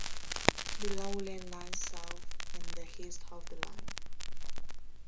The Lowlands lie south and east of the line.